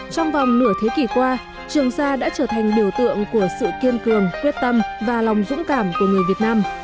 trong vòng nửa thế kỷ qua trường sa đã trở thành biểu tượng của sự kiên cường quyết tâm và lòng dũng cảm của người việt nam